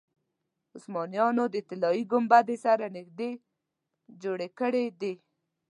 عثمانیانو د طلایي ګنبدې سره نږدې جوړه کړې ده.